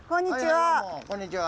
こんにちは。